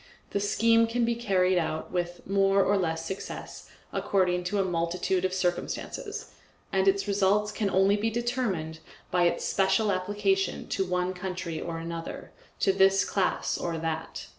The scheme can be carried out, with more or less success, according to a multitude of circumstances, and its results can only be determined by its special application to one country or another, to this class or that.